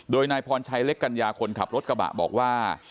โดยนายพรชัยเล็กกัญญาคนขับรถกระบะบอกว่า